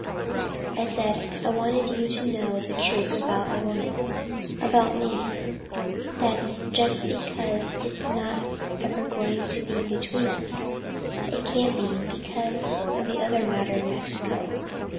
"I said I wanted you to know the truth about a woman about me. That's just because it's not ever going to be between us. It can't be, because of that other matter in Mexico.